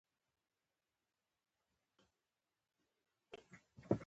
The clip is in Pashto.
هغه څه رنګه وه.